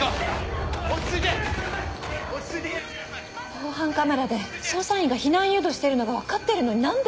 防犯カメラで捜査員が避難誘導してるのが分かってるのに何で？